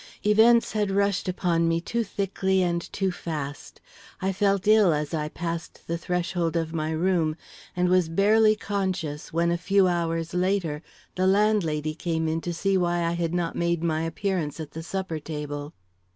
Events had rushed upon me too thickly and too fast. I felt ill as I passed the threshold of my room, and was barely conscious when a few hours later the landlady came in to see why I had not made my appearance at the supper table.